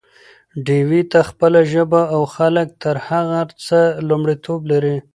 ډيوې ته خپله ژبه او خلک تر هر څه لومړيتوب لري